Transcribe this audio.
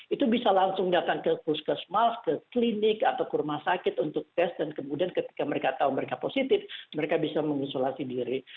itu bisa langsung datang ke puskesmas ke klinik atau ke rumah sakit untuk tes dan kemudian ketika mereka tahu mereka positif mereka bisa mengisolasi diri